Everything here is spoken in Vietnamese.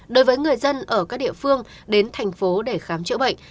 đối với người dân ở các địa phương đến thành phố để khám chữa bệnh